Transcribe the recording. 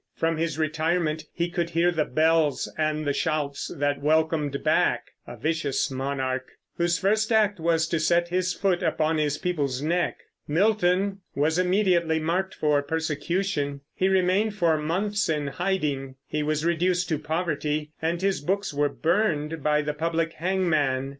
From his retirement he could hear the bells and the shouts that welcomed back a vicious monarch, whose first act was to set his foot upon his people's neck. Milton was immediately marked for persecution; he remained for months in hiding; he was reduced to poverty, and his books were burned by the public hangman.